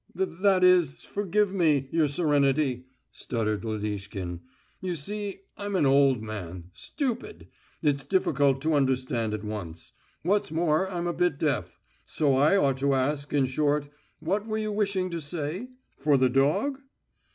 "That is ... forgive me, your Serenity," stuttered Lodishkin. "You see, I'm an old man, stupid.... It's difficult to understand at once.... What's more, I'm a bit deaf ... so I ought to ask, in short, what were you wishing to say?... For the dog?..."